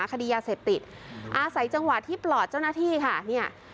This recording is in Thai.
คดียาเสพติดอาศัยจังหวะที่ปลอดเจ้าหน้าที่ค่ะเนี่ย